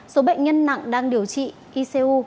số bệnh nhân nguy kịch đang điều trị ecmo